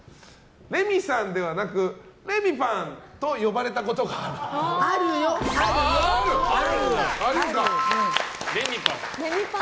レミさん！ではなくレミパン！と呼ばれたことがあるっぽい。